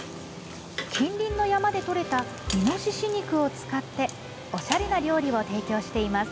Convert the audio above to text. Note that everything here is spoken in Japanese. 近隣の山でとれたイノシシ肉を使っておしゃれな料理を提供しています。